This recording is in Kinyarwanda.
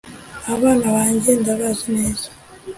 abana banjye ndabazi neza